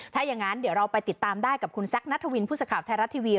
ถ้าอย่างนั้นเดี๋ยวเราไปติดตามได้กับคุณแซคนัทวินผู้สื่อข่าวไทยรัฐทีวี